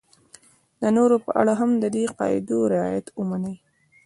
د نورو په اړه هم د دې قاعدو رعایت ومني.